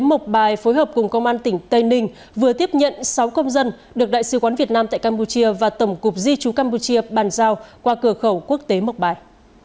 mộc bài phối hợp cùng công an tỉnh tây ninh vừa tiếp nhận sáu công dân được đại sứ quán việt nam tại campuchia và tổng cụp di chú campuchia bàn giao qua cửa khẩu quốc tế mộc bài